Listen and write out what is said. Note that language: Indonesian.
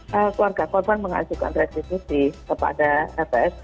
keluarga korban mengajukan restitusi kepada lpsk